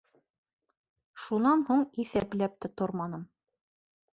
Шунан һуң иҫәпләп тә торманым.